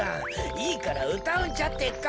いいからうたうんじゃってか。